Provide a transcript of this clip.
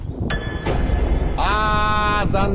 あ残念！